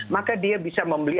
maka dia bisa membeli